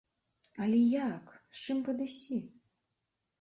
Але як, з чым падысці?